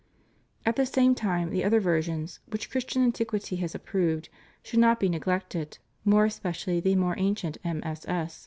At the same time, the other versions, which Christian antiquity has approved, should not be neglected, more especially the more ancient MSS.